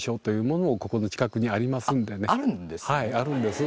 はいあるんです。